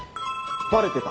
バレてた。